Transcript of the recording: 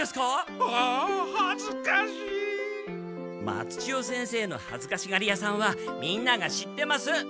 松千代先生のはずかしがり屋さんはみんなが知ってます。